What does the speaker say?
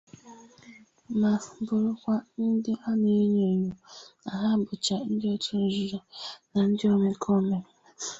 ma bụrụkwa ndị a na-enyo ènyò na ha bụcha ndị otu nzuzo na ndị omekoome.